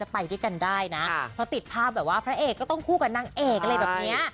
ไปด้วยกันได้นะเพราะติดภาพแบบว่าพระเอกก็ต้องคู่กับนางเอกอะไรแบบเนี้ย